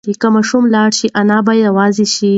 که ماشوم لاړ شي انا به یوازې شي.